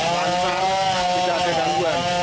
lantaran tidak ada gangguan